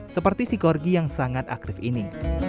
seperti si korgi yang sangat aktif ini